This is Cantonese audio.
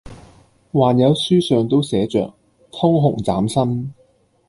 還有書上都寫着，通紅斬新！」